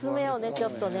ちょっとね。